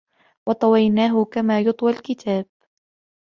و طويناه كما يطوى الكتاب